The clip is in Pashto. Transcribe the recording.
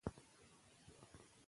نور برحق شهیدان هم خپلوان نه لري.